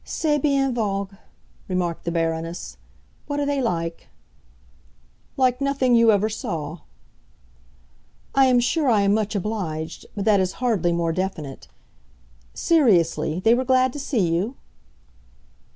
"C'est bien vague," remarked the Baroness. "What are they like?" "Like nothing you ever saw." "I am sure I am much obliged; but that is hardly more definite. Seriously, they were glad to see you?"